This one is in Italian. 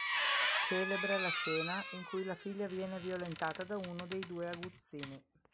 Celebre la scena in cui la figlia viene violentata da uno dei due aguzzini.